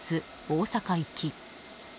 大阪行き。